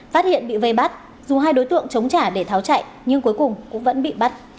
phát hiện bị vây bắt dù hai đối tượng chống trả để tháo chạy nhưng cuối cùng cũng vẫn bị bắt